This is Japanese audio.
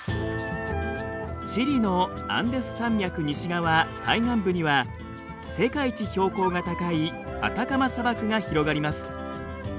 チリのアンデス山脈西側海岸部には世界一標高が高いアタカマ砂漠が広がります。